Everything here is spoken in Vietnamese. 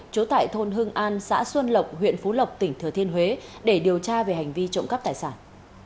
trú tại thôn hưng an xã xuân lộc huyện phú lộc tỉnh thừa thiên huế để điều tra về hành vi trộm cắp tài sản